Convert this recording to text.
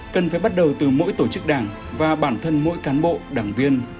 cần phải bắt đầu từ mỗi chương